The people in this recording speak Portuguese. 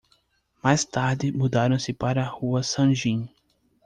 Mais tarde mudaram-se para a Rua Sanjin